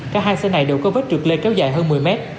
cả hai xe này đều có vết trượt lê kéo dài hơn một mươi mét